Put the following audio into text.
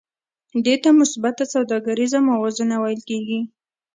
دې ته مثبته سوداګریزه موازنه ویل کېږي